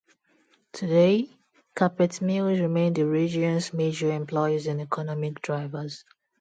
Today, carpet mills remain the region's major employers and economic drivers.